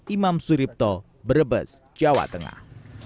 imam suripto brebes jawa tengah